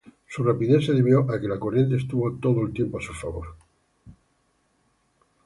Su rapidez se debió a que la corriente estuvo todo el tiempo su favor.